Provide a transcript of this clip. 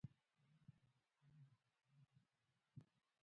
هرات د افغانستان د بڼوالۍ برخه ده.